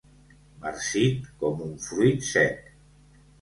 Marcit com un fruit sec.